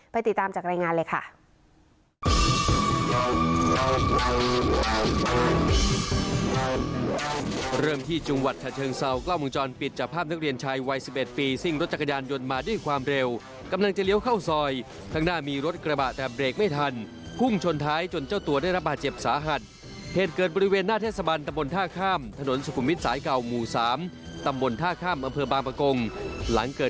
ติดตามจากรายงานเลยค่ะ